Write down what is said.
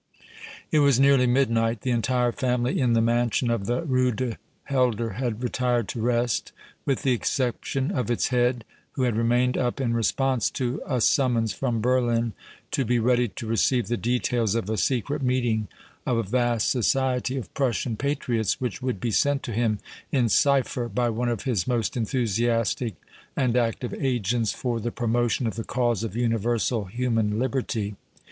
It was nearly midnight. The entire family in the mansion of the Rue du Helder had retired to rest, with the exception of its head, who had remained up in response to a summons from Berlin to be ready to receive the details of a secret meeting of a vast society of Prussian patriots, which would be sent to him in cipher by one of his most enthusiastic and active agents for the promotion of the cause of universal human liberty.